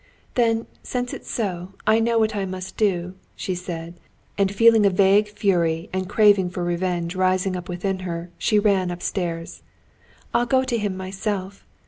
"Then, since it's so, I know what I must do," she said, and feeling a vague fury and craving for revenge rising up within her, she ran upstairs. "I'll go to him myself.